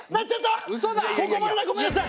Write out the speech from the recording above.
ここまでだごめんなさい！